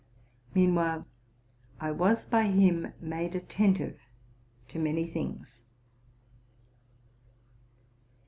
Meanwhile, I was by him made attentive to many things.